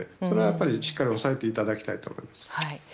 それはしっかり押さえていただきたいと思います。